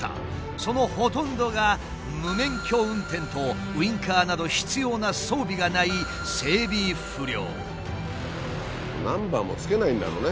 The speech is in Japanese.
そのほとんどが無免許運転とウィンカーなど必要な装備がない整備不良。